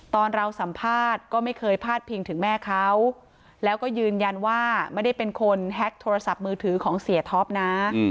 ตอนเราสัมภาษณ์ก็ไม่เคยพาดพิงถึงแม่เขาแล้วก็ยืนยันว่าไม่ได้เป็นคนแฮ็กโทรศัพท์มือถือของเสียท็อปนะ